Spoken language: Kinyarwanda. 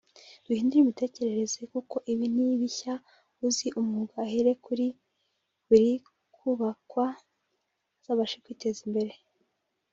duhindure imitekerereze kuko ibi ni bishyashya uzi umwuga ahere kuri biri kubakwa azabashe kwiteza imbere